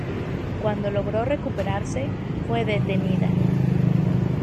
Cuando logró recuperarse, fue detenida.